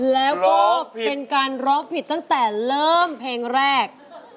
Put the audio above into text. แล้วก็เป็นการร้องผิดตั้งแต่เริ่มเพลงแรก